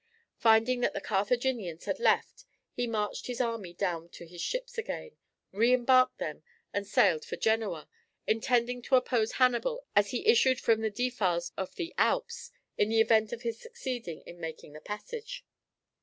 Finding that the Carthaginians had left he marched his army down to his ships again, re embarked them, and sailed for Genoa, intending to oppose Hannibal as he issued from the defiles of the Alps, in the event of his succeeding in making the passage.